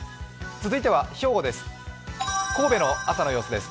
続いては兵庫です。